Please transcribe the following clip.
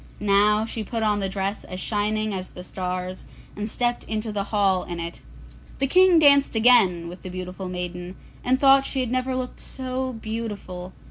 Now she put on the dress as shining as the stars, and stepped into the hall in it. The King danced again with the beautiful maiden, and thought she had never looked so beautiful.